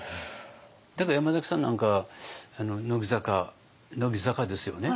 だから山崎さんなんかあの乃木坂乃木坂ですよね？